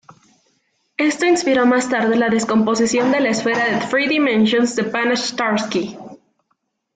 Esto inspiró más tarde la descomposición de la esfera en tres dimensions de Banach-Tarski.